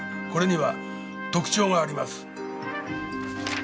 これには特徴があります。